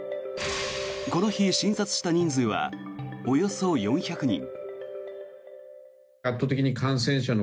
この日、診察した人数はおよそ４００人。